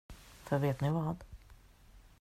För vet ni vad?